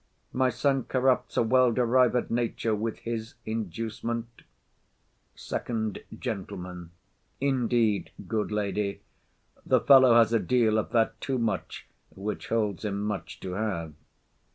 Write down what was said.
My son corrupts a well derived nature With his inducement. FIRST GENTLEMAN. Indeed, good lady, The fellow has a deal of that too much, Which holds him much to have.